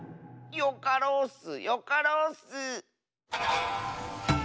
よかろうッスよかろうッス！